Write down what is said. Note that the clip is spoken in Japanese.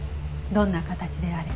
どんな形であれ。